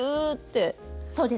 そうです。